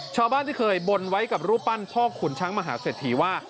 ชาวบ้านที่เคยบนไว้กับรูปปั้นพ่อขุนช้างมหาเศรษฐีว่า